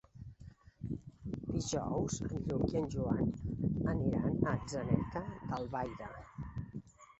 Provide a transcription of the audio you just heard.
Dijous en Lluc i en Joan aniran a Atzeneta d'Albaida.